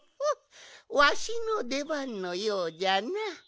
わしのでばんのようじゃな。